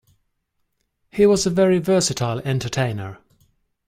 He was a very versatile entertainer